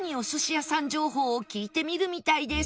情報を聞いてみるみたいです